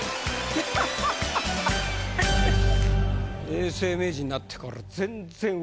永世名人になってから全然動かへん。